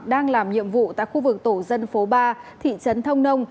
đang làm nhiệm vụ tại khu vực tổ dân phố ba thị trấn thông nông